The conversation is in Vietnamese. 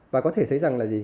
và có thể thấy rằng là gì